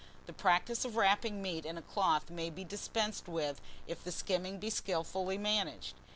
The practice of wrapping meat in a cloth may be dispensed with if the skimming be skillfully managed.